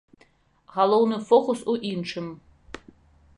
Галоўны фокус у іншым.